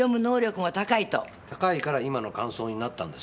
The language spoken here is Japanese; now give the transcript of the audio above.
高いから今の感想になったんです。